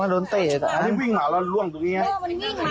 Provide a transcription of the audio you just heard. อันนี้วิ่งหาละล้วนตรงนี้ไอ้